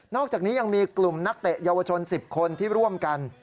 อกจากนี้ยังมีกลุ่มนักเตะเยาวชน๑๐คนที่ร่วมกัน